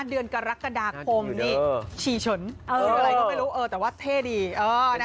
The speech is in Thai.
เดือนกรกฎาคมนี่ฉี่เฉินอะไรก็ไม่รู้เออแต่ว่าเท่ดี